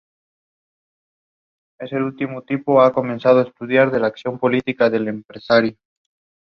Además, los plugins dan soporte a joystick o mandos de control para computadora.